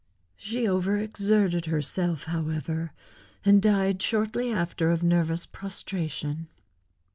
She over exerted herself, however, and died shortly after of nervous prostration.